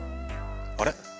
あれ？